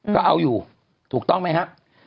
ก็เอาอยู่ถูกต้องไหมครับ